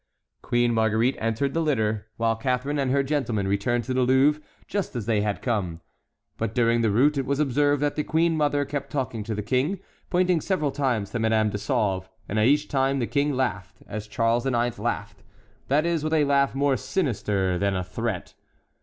Queen Marguerite entered the litter, while Catharine and her gentlemen returned to the Louvre just as they had come. But during the route it was observed that the queen mother kept talking to the King, pointing several times to Madame de Sauve, and at each time the King laughed—as Charles IX. laughed; that is, with a laugh more sinister than a threat.